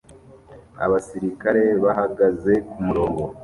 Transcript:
Abasirikare bahagaze kumurongo